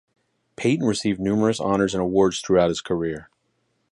Payton received numerous honors and awards throughout his career.